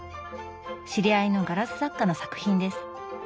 知り合いのガラス作家の作品です。